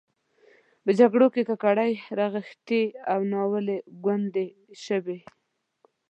په جګړو کې ککرۍ رغښتې او ناویانې کونډې شوې.